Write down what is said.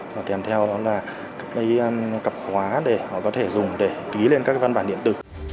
và kèm theo đó là cặp khóa để họ có thể dùng để ký lên các văn bản điện tử